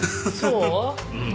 うん。